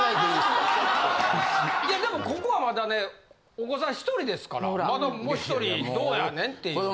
いやでもここはまだねお子さん１人ですからまだもう１人どうやねんっていう。